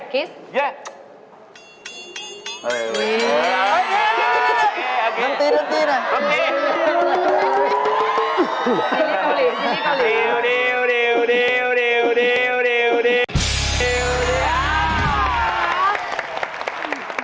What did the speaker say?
คริส